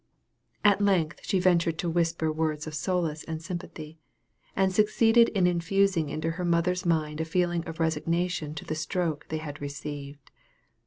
At length she ventured to whisper words of solace and sympathy, and succeeded in infusing into her mother's mind a feeling of resignation to the stroke they had received.